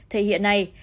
thì hiện nay